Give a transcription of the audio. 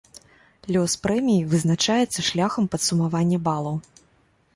Лёс прэміі вызначаецца шляхам падсумавання балаў.